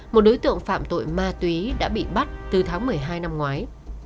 một đối tượng phạm tội ma túy đã bị bắt từ tháng một mươi hai năm ngoái